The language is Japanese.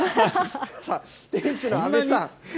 さあ、店主の阿部さん。